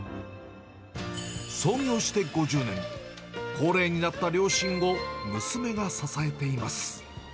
創業して５０年、高齢になった両親を娘が支えています。